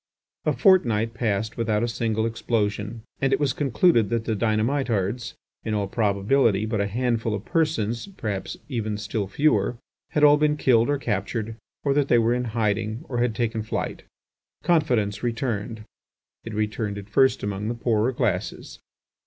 A fortnight passed without a single explosion, and it was concluded that the dynamitards, in all probability but a handful of persons, perhaps even still fewer, had all been killed or captured, or that they were in hiding, or had taken flight. Confidence returned; it returned at first among the poorer classes.